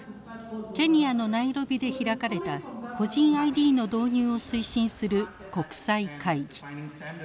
ケニアのナイロビで開かれた個人ＩＤの導入を推進する国際会議。